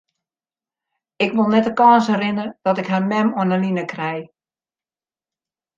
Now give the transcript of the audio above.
Ik wol net de kâns rinne dat ik har mem oan 'e line krij.